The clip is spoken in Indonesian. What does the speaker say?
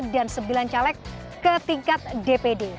dan sembilan caleg ke tingkat dpd